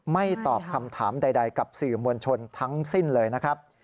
ตอบคำถามใดกับสื่อมวลชนทั้งสิ้นเลยนะครับ